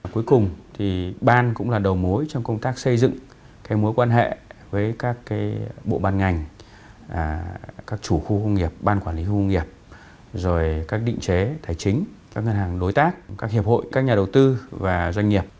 cuối cùng thì ban cũng là đầu mối trong công tác xây dựng mối quan hệ với các bộ ban ngành các chủ khu công nghiệp ban quản lý khu công nghiệp rồi các định chế tài chính các ngân hàng đối tác các hiệp hội các nhà đầu tư và doanh nghiệp